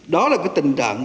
đó là cái tình trạng